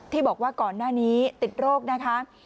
บอกว่าก่อนหน้านี้ติดโรคนะคะ